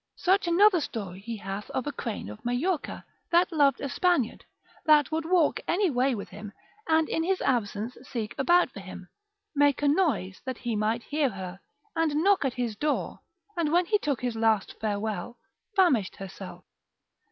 Such another story he hath of a crane of Majorca, that loved a Spaniard, that would walk any way with him, and in his absence seek about for him, make a noise that he might hear her, and knock at his door, and when he took his last farewell, famished herself.